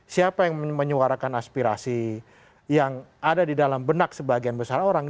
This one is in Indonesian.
siapa yang menyuarakan aspirasi yang ada di dalam benak sebagian besar orang